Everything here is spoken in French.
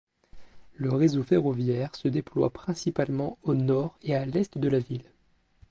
Le réseau ferroviaire se déploie principalement au nord et à l'est de la ville.